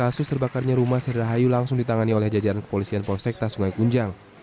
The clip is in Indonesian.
kasus terbakarnya rumah sri rahayu langsung ditangani oleh jajaran kepolisian polsekta sungai kunjang